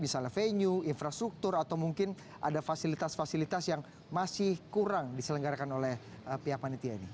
misalnya venue infrastruktur atau mungkin ada fasilitas fasilitas yang masih kurang diselenggarakan oleh pihak panitia ini